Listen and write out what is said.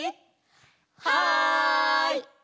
はい！